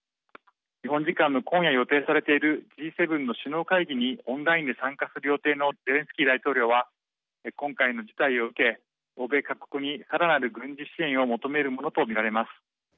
日本時間の今夜予定されているＧ７の首脳会議にオンラインで参加する予定のゼレンスキー大統領は今回の事態を受け欧米各国にさらなる軍事支援を求めるものと見られます。